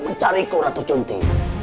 mencariku ratu cunti